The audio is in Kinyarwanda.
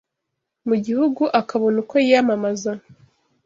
mu gihugu akabona uko yiyamamaza,